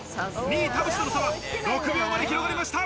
２位・田渕との差は６秒まで広がりました。